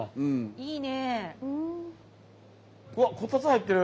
いいね！